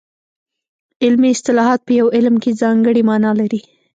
علمي اصطلاحات په یو علم کې ځانګړې مانا لري